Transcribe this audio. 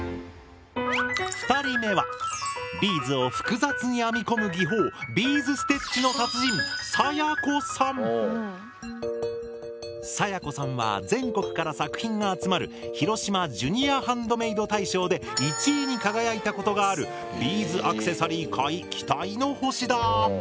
２人目はビーズを複雑に編み込む技法ビーズステッチの達人さやこさんは全国から作品が集まる「広島ジュニアハンドメイド大賞」で１位に輝いたことがあるビーズアクセサリー界期待の星だ。